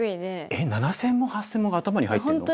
えっ７，０００も８，０００もが頭に入ってるの？